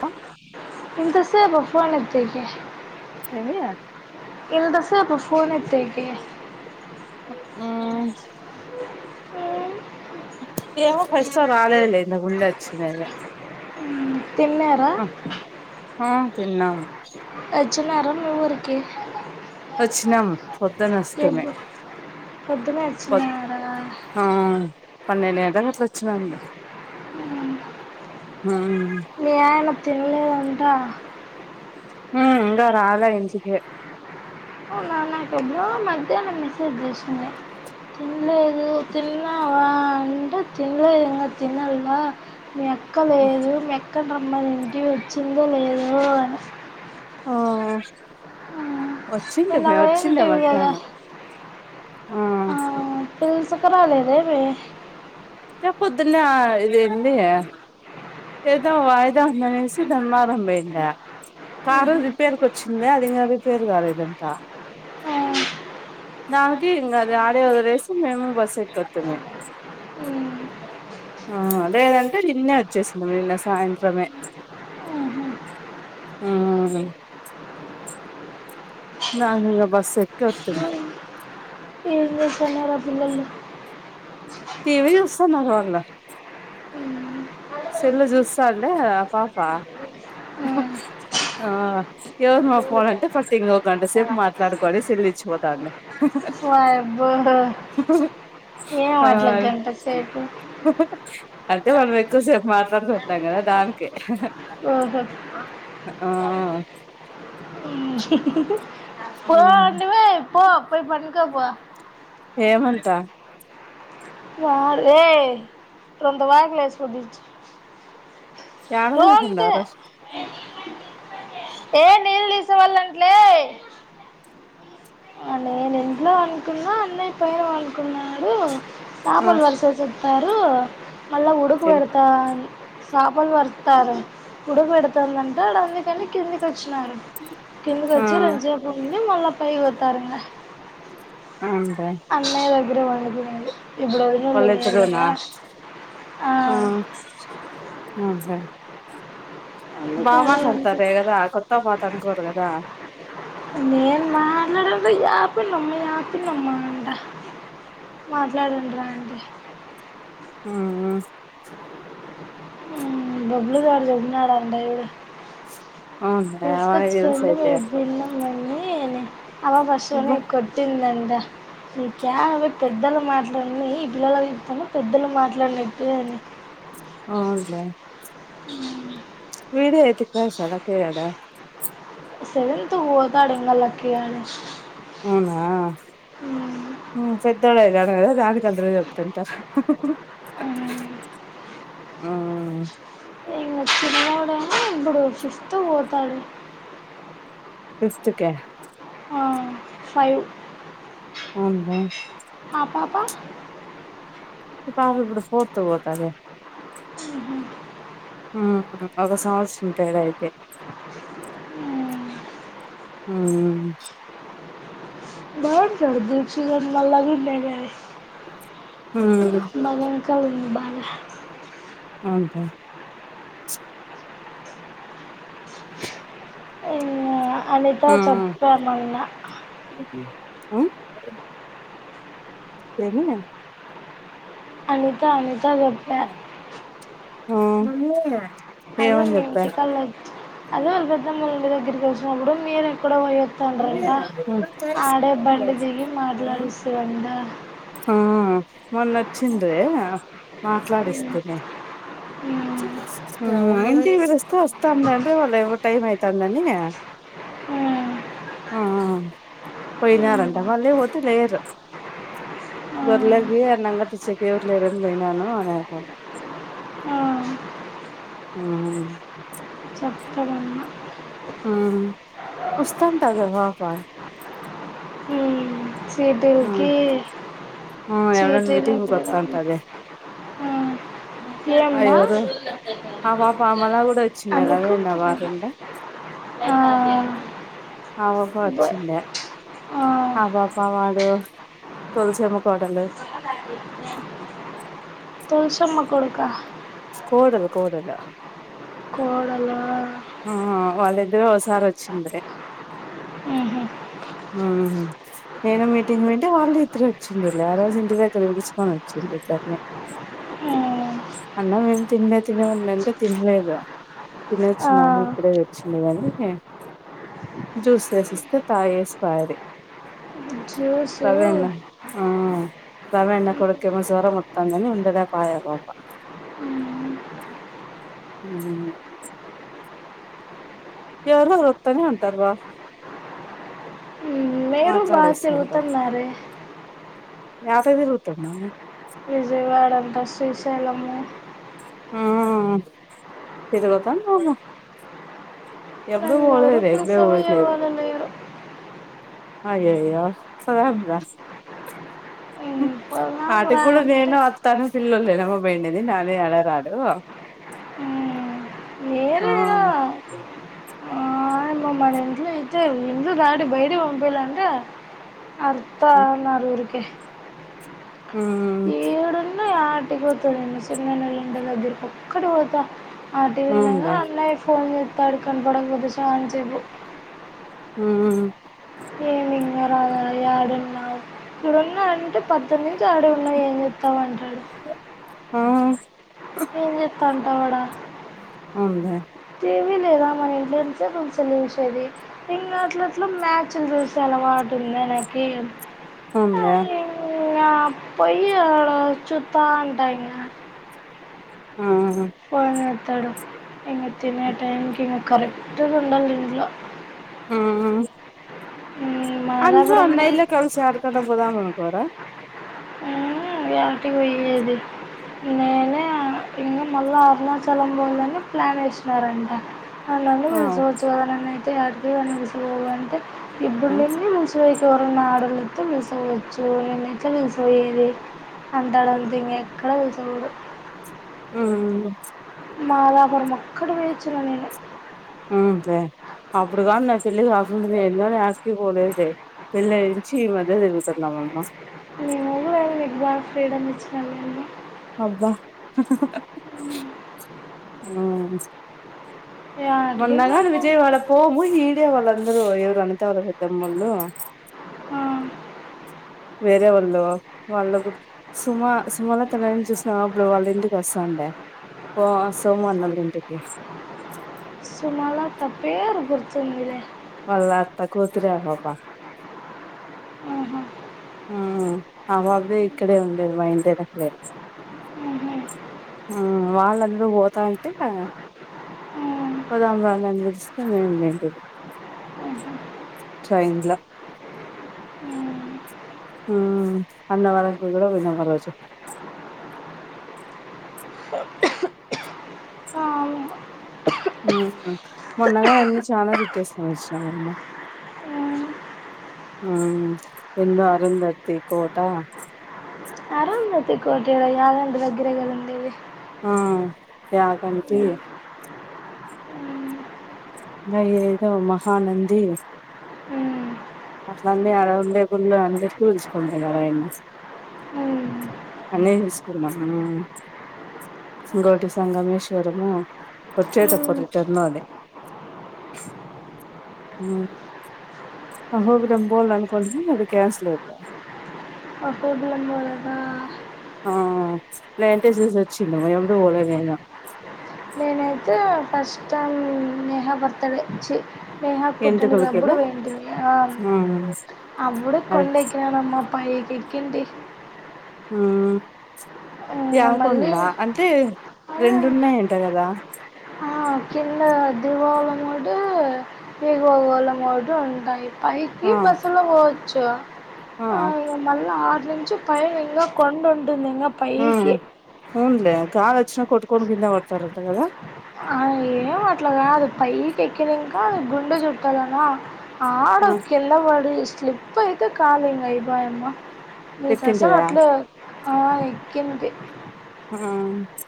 అ ఎంత సేపు ఫోన్ ఎత్తేకి. ఎంత సేపు ఫోను ఎత్తేకి. ఊ ఏమో పైసల్ రాలేదులే. ఇంతక్ ముందు వచ్చినయె. తిన్నారా తిన్నాం. వచ్చిన్నారా మీ వూరికీ. వచ్చిన్నం పొద్దన్నే వస్తమి. పొద్దున్నే వచ్చినారా. ఆ పన్నెండు గంటలలకు అట్లా వచ్చ [unintelligible] ఆ తిన్లేదంట ఉ ఇంగా రాల ఇంటికి వు నా నాకు ఎబ్బుడ్డో. మధ్యానం మెసేజ్ చేసిండ తినలేదు తిన్నావా అంటే తినలేదు ఇంకా తినల్ మా మీ అక్కలేదు మీ అక్క [unintelligible] వచ్చింది లేదో అని ఆ ఆ, వచ్చింది నిన్న [unintelligible] వచ్చింద పోయింటివి కదా మధ్యాహ్నం ఆ పిల్స్కు రాలేదేమి పొద్దునే ఇది ఎంది ఏదో వాయిదా ఉందనేేసి ధర్మమార్మ పోయిండ కారు రిపేర్కి వచ్చింద అదింగా రిపేర్ కాలేదంట ఆ దానికి ఇంగ అది ఆడే ఒక వయసు మేము బస్ ఎక్కోతిమి అ ఆ లేదంటే నిన్నే వచ్చేసింది నిన్న సాయంత్రమే అ [unintelligible] ఎం చేస్తన్నారు ఆ పిల్లొలు టివి చూస్తున్నారు వాళ్ళ సెల్ చూస్తండే ఆ పాప ఆ ఎవరు మా పోన్ అంటే పట్ ఇం ఒక గంట సేపు మాట్లాడుకని సెల్ ఇచ్చిపోతాండి వయ్యబ్బో ఏం ఆ అట్ల గంట సేపు అంటే మనం ఎక్కువసేపు మాట్లాడుకుంటాం కదా దానికి ఓహో ఆ పో నువ్వే పో పోయి పనుకోపో ఏమంట [unintelligible] యాడ రోంతే కనుకున్నారు లే నీళ్లు తీసుకూరవలాంట్లే నేను ఇంట్లో అనుకున్నా అన్నయ్య పైన అనుకు న్నాడు ఆ చపలు వరిసే చతారు మళ్ళా ఉడుకు చెప్ పెడతా చపలు పరుస్తారు ఉడుకు పెడతందంట ఆడ అందుకని కింది కచ్చినారు కింది ఆ కచ్చి రొన్సేపు వచ్చి మళ్ళా పై [unintelligible] అవునులే అన్నయ్య దగ్గర [unintelligible] ఇబుడు ఒదినోళ్లు వాళ్ళిద్దరూనా ఆ [unintelligible] ఆడే బామట్లాడతారే వండుకుంటా కదా కొత్త పాత అనుకోరు కదా నేను మాట్లాడ [unintelligible] యాపిన్నమ్మ యాపిన్నమ్మ అంట మాట్లాడుండరా అండి హ బబ్లుగాడు దోబ్బినడు అంట చూడు అవునులే వానికి తెలుసు తీసుకొచ్చుకోండి అయితే మేము విన్నాంమని అలా అబ్బా కొట్టిందం ట నీకు యలా పెద్దలు మాట్లాడిన ఈ పిల్లల చెతాను పెద్దలు మాట్లాడినటు అని అవున్లె [unintelligible] సెవన్తు కి పోతాడు ఇంగ లక్కీ గాని అవునా పెద్దోళద ్ర చెప్తుంట ఆ ఇం చిన్నాడైనా ఇప్పుడు ఫిఫ్త్ పోతాడు ఇస్క ఫైవ్ అవునుా బబా ఇ పాాము ఇప్పుడు ఫోతు పోతద హ ఉ ఒక సంవత్సరం ఉంటాద అయితే ఆ బ చడద సి రన మల్లా విన్నేగా హ కావ బాల అవుదా అ అనిత ఉమ్ చెప్పనున్నా అ ఏర అనిత అనిత చెప్పా ఆ అదే మీ ఇంటికాళచ్చ అదే వాళ్ళ పెద్ద ము దగ్గరికిెలిసినప్పుడు మీరు ఎక్కడ పోయ అ తండ్రింటా ఆడే బడి దగి మాట్లాడస్తవంట ఆ మన్ నచ్చంద్రీ మాట్లాడస్తతన మ్మ్ తీవరస్తా వస్తాంన అంద వాల్ళ టైమ్ అయితా అందని ఆ మ్మ్ పోయినారంట వాళ్ళీ పోదులేరు మ్మ్ గొరలకి అన్నంగా టీచకి ఎవరు లేరని పోయినాను అనే అవు ఆ చెప్పడంన్నా వస్తస్తాంటగా వా పాాల ఉమ్ సిదుల్కి ఉమ్ ఎవడన్నా మీటింగ్కి చీటిలోడ కా వస్తాంటది ఆ ఏమ్మా ఎవరు ఆ పాప ఆమలా కూడా వచ్చిండే అమకు రవేణ వారండే ఆ అవ కో వచ్చంట ఆ పాాపా వాడు తోలసమ్మ కోటలు తలుసమ్మ కొడుక కోడలు కోడలా కోడల సారా అ ఆ నేను మీటింగ్ వింటే వాళ్ళు ఇద్దర వచ్చిండి ఆ రోజు ఇంటి దగ్గర పలుచుకొని వచ్చి నే హ అన్నమేం తిన్లే తినే ఉంంటే తిన్లేదు ఆ తినొచ్చినాము ఇప్పుడే వచ్చింది కాని జ్యూస్ వేసిస్తే తాగి వేస్త పా జ్యూసు సరే అన్న ఆ రవన్నా కొడుక్కి జ్వరం మొత్తందని ఉండక పాయే పాప అ మ్మ్ హ్హ్ ఎవరెవరో వత్తనే ఉంటరు గా మీరు బాగా మాట్లాడేస్తుంటారు తిరుగుతున్నారే యాసతిరుగుతందా విజయవాడ అంత శ్రీశైలము ఆ తిరిగొద్దాం బామ్మ ఎప్పుడు నన్ను ఎవరు పోలేదే ఇప్పుడే పిలిచేవాళ్ళు పోయచ్చేది ఎవరు లేరు అయ్యోయ్యో సరే వెళ్ళండి రా ఉమ్, పోదాం ఆడికి రా కూడా అంటే నేను వత్తను పిల్లలేనమ్మ బయలుదేరింది ఇవ్వాల అడు రాడు ఉమ్, ఆ మీరేనా వాళ్ళు మన ఇంటిలో అయితే ఎందుకు ఇల్లు దాటి బయటికీ పోకుండ్లంటే వత్తా అన్నారు ఊరికే మ్మ్ హ్ అటు పోతాను సుమానాన్నోళ్ల ఇంటి దగ్గరికి ఒక్కడి పోతా అటు పోవంగానే అవునులే అన్నయ్య ఫోన్ చేస్తాడు చాన్సేపు కనబడకపోతే మ్మ్ ఏమి ఇంగా రావాలి యాడున్నావ్ ఇడున్నావంటే పడ్డెనిమిది ఏడున్నావు ఏం చెప్తాన్నవ్ అంటడు ఆ పంట పొలంలా వుందే టీవీ లేదా మన ఇంట్లో ఎంత సేపు నిల్చుని చూసేది ఇంగ అట్లెట్ల మ్యాచ్లు చూసేది అలవాటు ఉంది ఆయనకి అవునులే ఏదో అబ్బాయి చుట్టాలాంట ఆయన ఆ ఫోన్ ఎత్తడు ఇగ తినే టైంకి ఇగ కరెక్ట్ ఉండరు ఇంట్లో మ్మ్ అందరు మాదాపురం పోయి అమ్మాయిలు కలిసి ఆడుకుంటూ పోదాము అనుకోరా అ ఎటు పోయేది నేనే ఇంగా మళ్ళా అరుణాచలం పోదామని ప్లాన్ వేసినారంట వాళ్ళందరిని ఆ పిలుసుకోవచ్చు కదా నాన్నయితే అడిగా నిలిసుకోవాలంటే ఇప్పటి ఉమ్ నుండి నిలుసో ఎవరన్నా ఆడోళ్లు వత్తే లేసి వెళ్లొచ్చు ఏమన్నయితే నిల్చొవాలి అంటాడు ఉంది ఇంగ ఎక్కడ కూర్చోకూడదు ఆ ప్చ్ మాదాపురం వొక్కటే పోయచ్చిన నేను అవునే అప్పుడు కాని నా చెల్లెలు అసోంటిది ఎన్నడు ఆడికి పోలె పెళ్లి అయినా నుంచి ఇ మధ్య తిరుగుతుంది అమ్మమ్మ మేము కూడా ఆమెకి బాగా ఫ్రీడమ్ ఇచ్చినమండి అబ్బా ఆ యాటికి మొన్నగాని పోను విజయవాడ పోము ఈడే వాళ్ళందరు ఎవరో అనితా వాళ్ళ పెద్దమ్మ వాళ్ళు ఆ వేరే వాల్లో వాళ్ళ సుమా సుమలతని చూసిన అప్పుడు వాళ్ళ ఇంటికి వస్తాండే సుమ అన్నం తింటుంది సుమలత పేరు గుర్తుందిలే వాళ్ల అత్త కూతురే అమ్మమ్మ ఆహా, ఆ బాబ్రే ఇక్కడే ఉండేది మా ఇంటి వెనకే ఆహా. ఆ వాళ్ళ నువ్ పోతాటివి కా పోదాం దా నను పిలిస్తే నేన్ బయంటిని ట్రైన్లా ఊ అన్నవరం కూడా పోయినం ఆ రోజు ఊ మొన్న అన్ని చాలా చుట్టేసుకుని వచ్చిన నేను ఆ ఏందో అరుందర్తి కోట అది కోట ఈడ కాదంట [unintelligible] దగ్గర గా ఉంది ఇది ఆ యాగంటి అ ఏదో మహానంది ఊ అట్లం లే ఆ రోజు ఉండే గుళ్ళు అన్నిటిని చూసుకొని పోయిన నేను మ్మ్. అన్నే చూసుకోనాం ఆ ఇంగోటి సంగమేశ్వరము ఉచ్చేత మ్మ్. పోటి టర్నదే ఊ అహో బిలం బోల్ అనుకోంటిమి అది క్యాన్సల్ ఐపాయే పోదుగన్ పోదామా ఆ చూసచిండు ఎవరు పోలేదింగా కష్టాలు నేహా బర్త్ డే చీ నేహా ఎంటికలు పుట్టెంటికలపుడు కదా పోయింటిమి ఆ ఉమ్ అప్పుడు అదే కొండెక్కిననమ్మా పయ్ కెక్కింటీ ఊ మళ్ళీ త్యకుండా అంటే ఆ, రెండున్నాయంట కదా ఆ కింద దివాళాం ఒకటి ఎగువగోళం ఒకటి ఉంటాయి పైకి ఆ బస్సులో పోవచ్చు ఆ ఇగ మల్ల ఆడ్ నుంచి పైన ఇంగా కొండ ఉంటుంది ఇంగ పైకి అవున్లే గాలొచ్చినా కొట్టుకొని కింద పడతారంట కదా ఆ ఏం అట్ల కాదు పైకి ఎక్కినంకా గుండు చుట్టాలనా ఆడా ఆ కిందపడి స్లిప్ అయితే కాలింగ అయిపాయమ్మ మీకసలు పెట్టింటివా అట్లే ఆ ఎక్కింది ఆ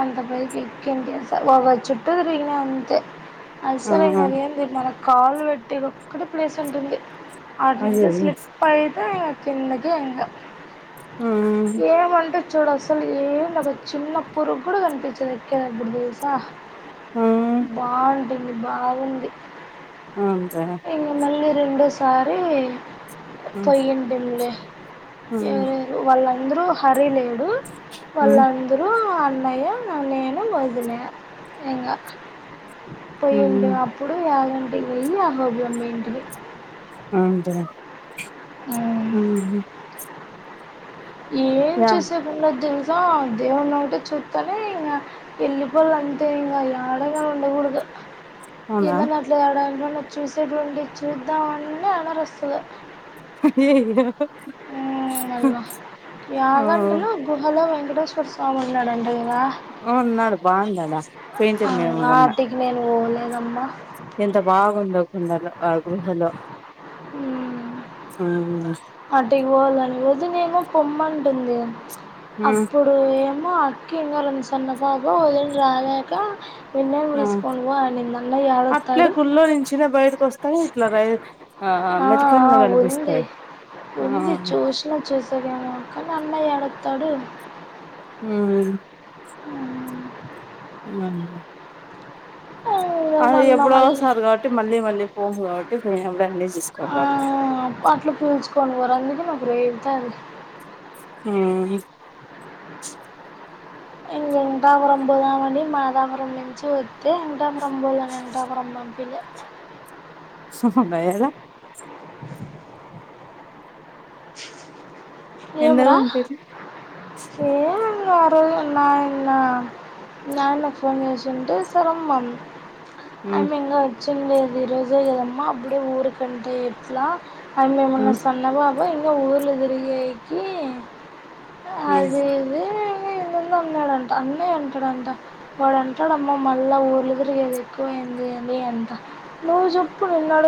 అంత పయికి ఎక్కింటి సర్ ఒక్కచుట్టూ తిరిగిన అంతే ఆ అసలైనది ఏంది మన కాలు పెట్టేఒక్కట్టే ప్లేస్ ఉంటుంది అదే అడినించి స్లిప్ అయితే ఇగ కిందకే ఇంగా ఊమ్ చూడు అసలు ఏం లేదు ఒగ చిన్న పురుగు కూడా కనిపించదు ఎక్కేడప్పుడు తెలుసా ఆ బాగుంటుంది బాగుంది అంతే ఇంక మళ్ళీ రెండోసారి ఆ పొయ్యుండిమ్ లే ఎవరెవరు వాళ్ళందరూ హరిలేడు ఆ వాళ్ళందరూ అన్నయ్య నేను వదిన ఇంగా ఆ పోయింటిమి అప్పుడు యాగంటికి పోయి అహోబిలం పోయింటిమి అంతేనా ఉమ్. ఊ ఊ ఏం చేసేకుండదు గా దేవున్నొకటే చూస్తాలే ఇంగా యెళ్లిపోవాలంతే ఇంగా ఏడగా ఉండకూడదు అవునా ఏందన్నా అట్లే ఏడాన్న చూసేటువంటి చూద్దామ అన్న అనరుస్తది అయ్యయో ఊమ్ మల్లా యాగంటిలో గుహలో వెేంకటేశ్వరస్వామి ఉన్నాడంట గ ఆ ఉన్నాడు బాగుందాడా పెయింటింగ్ మేము వా మొన్న ఆటికి నేను పోలేనమ్మ ఎంత బాగుందో కొండలో ఆ గుహ లో ఊ ఆ నిమస్ అటికి పోవలని వదినేమో పొమ్మంటుంది ఉమ్ అప్పుడు ఏం ఆ అక్క ఇంగా రోంత సన్న పాప వదిన్ రాలేక మిన్నేయ్యను ఆ పిలుసుకొని పో అనింది. అన్నయ్య యాడొత్తాడు కానీ ఇట్లా రై ఆ ఆ మెటికన్లు ఉంది. కనిపిస్తాయి ఆ ఉంది చూస్న చూస్ సేకేమో కానీ అన్నయ్య యాడొత్తాడు. హ్మ్. అవునా ఆ మళ్ళా మళ్ళీ ఎప్పుడోసారి కాబట్టి మళ్ళీ మళ్ళీ పోము కాబట్టి పోయినప్పుడే అన్నీ చూసుకొన్రాళ్ళ. అట్ల పీల్చుకొని పొరు అందుకే నాకు రేగుతాంది. మ్మ్ హు ఇంగ వెంకటాపురం పోదామని మాదాపురం నుంచి వత్తె ఎంకట అమ్మోళ్ళు నన్ను వెంకటాపురం పంపిలే ఉహుమ్ భైర్ల ఎందుకు ఏంరా పంపిరు ఏమ్ ఆ రోజు నాయన్న నాయనకు ఫోన్ చేసింటే సరే అమ్మ అన్ ఉమ్ ఆయమ్మింగా వచ్చిండేది ఈ రోజే గదమ్మ అప్పుడే ఊరుకంటే ఎట్లా ఆయమ్మెమన్న ఉమ్ సన్నపాప ఇంగా ఊర్లు తిరిగేకి ఉమ్ అదిఇది అని ఏందేందో అన్నాడంట అన్ని అంటాడంట వాడంటాడమ్మా మళ్ళా ఊర్లు తిరిగేదేక్కువై వైంది ఏమి అంట నువ్వు చొప్పు నిన్నడగు